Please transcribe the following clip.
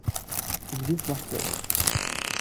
Bdut leḥsab.